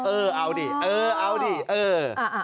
เออเอาดิเออเอาดิเออ